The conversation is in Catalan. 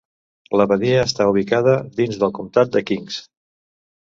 La badia està ubicada dins el Comtat de Kings.